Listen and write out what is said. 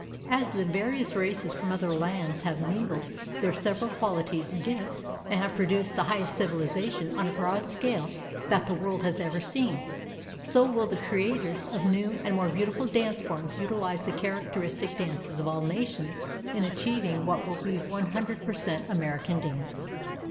As the various races from other lands have mingled their several qualities and gifts, and have produced the highest civilization on a broad scale that the world has ever seen, so will the creators of new and more beautiful dance forms utilize the characteristic dances of all nations in achieving what will be the 100 per cent American dance.